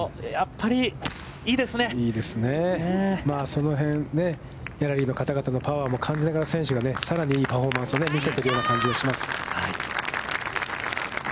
その辺、ギャラリーの方々のパワーも感じながら選手もさらにいいパフォーマンスを見せているような気がします。